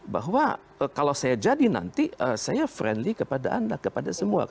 bahwa kalau saya jadi nanti saya friendly kepada anda kepada semua